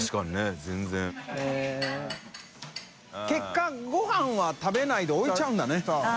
結果ごはんは食べないで置いちゃうんだね。